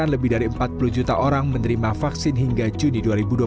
lebih dari empat puluh juta orang menerima vaksin hingga juni dua ribu dua puluh